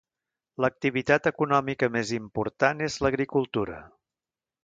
L'activitat econòmica més important és l'agricultura.